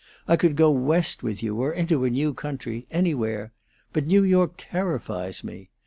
I could go West with you, or into a new country anywhere; but New York terrifies me.